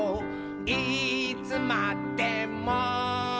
いつまでも」